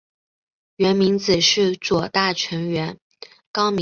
源明子是左大臣源高明之女。